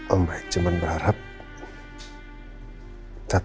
om baik tau rena